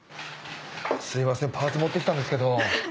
すいませんパーツ持ってきたんですけど。